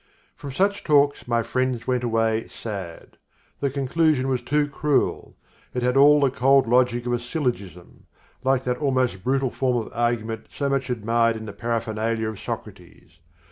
From such talks my friends went away sad. The conclusion was too cruel. It had all the cold logic of a syllogism (like that almost brutal form of argument so much admired in the Paraphernalia of Socrates).